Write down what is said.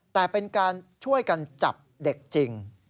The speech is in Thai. แต่เป็นการช่วยกันจับเด็กจริง